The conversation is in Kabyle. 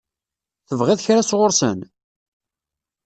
Tebɣiḍ kra sɣur-sen?